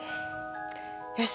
よし！